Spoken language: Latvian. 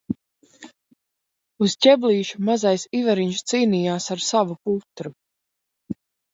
Uz ķeblīša mazais Ivariņš cīnījās ar savu putru.